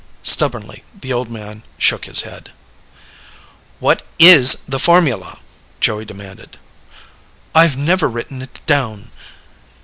Stubbornly, the old man shook his head. "What IS the formula?" Joey demanded. "I've never written it down."